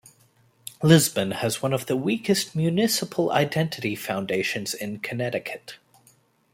Lisbon has one of the weakest municipal identity foundations in Connecticut.